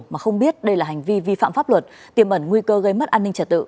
mà không biết đây là hành vi vi phạm pháp luật tiềm ẩn nguy cơ gây mất an ninh trật tự